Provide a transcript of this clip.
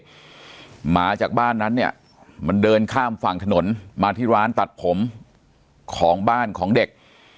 หมาจากบ้านนั้นเนี่ยมันเดินข้ามฝั่งถนนมาที่ร้านตัดผมของบ้านของเด็ก